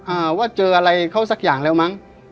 อ่าว่าเจออะไรเขาสักอย่างแล้วมั้ง